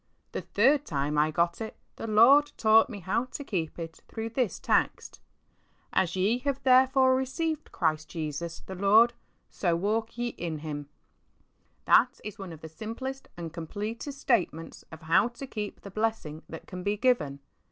The third time I got it the Lord taught me how to keep it through this text, 'As ye have therefore received Christ Jesus, the Lord, so walk ye in HinC^' {Col. ii. 6). That is one of the simplest and completest statements of how to keep the blessing that can be given.